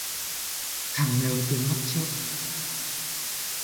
Thằng nớ tướng bặm trợn